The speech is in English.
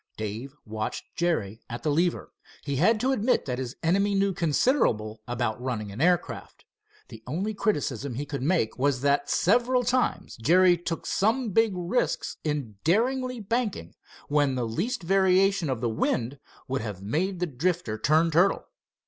Dave watched Jerry at the lever. He had to admit that his enemy knew considerable about running an aircraft. The only criticism he could make was that several times Jerry took some big risks in daringly banking, when the least variation of the wind would have made the Drifter turn turtle.